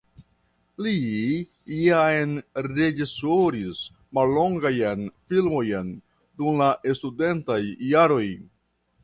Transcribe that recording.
Li jam reĝisoris mallongajn filmojn dum la studentaj jaroj.